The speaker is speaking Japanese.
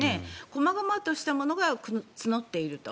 こまごまとしたものが募っていると。